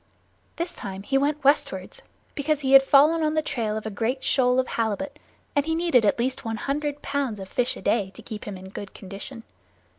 This time he went westward, because he had fallen on the trail of a great shoal of halibut, and he needed at least one hundred pounds of fish a day to keep him in good condition.